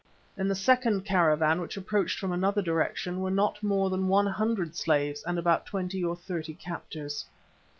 In the second caravan, which approached from another direction, were not more than one hundred slaves and about twenty or thirty captors.